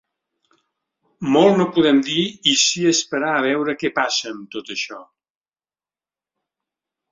Molt no podem dir i sí esperar a veure què passa amb tot això.